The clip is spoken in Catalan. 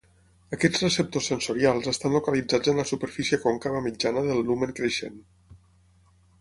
Aquests receptors sensorials estan localitzats en la superfície còncava mitjana del lumen creixent.